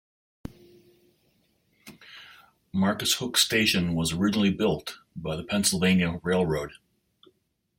Marcus Hook station was originally built by the Pennsylvania Railroad.